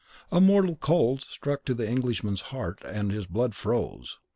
A mortal cold struck to the Englishman's heart, and his blood froze.